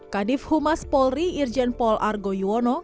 kadif humas polri irjen pol argo yuwono